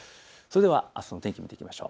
あすの天気、見ていきましょう。